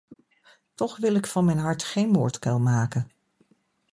Toch wil ik van mijn hart geen moordkuil maken.